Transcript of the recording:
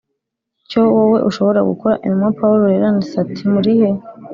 cyo wowe ushobora gukora Intumwa Pawulo yaranditse ati murihe